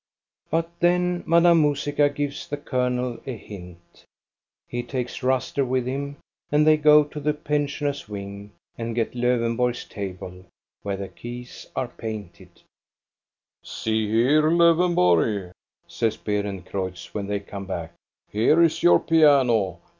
But then Madame Musica gives the colonel a hint. He takes Ruster with him and they go to the pen sioners' wing and get Lowenborg's table, where the keys are painted, " See here, Lowenborg," says Beerencreutz, when they come back, " here is your piano.